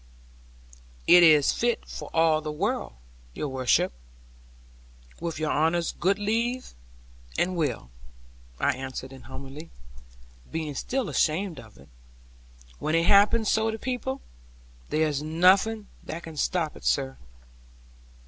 'It is fit for all the world, your worship; with your honour's good leave, and will,' I answered in humility, being still ashamed of it; 'when it happens so to people, there is nothing that can stop it, sir.'